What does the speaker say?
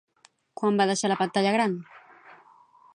Quan va deixar la pantalla gran?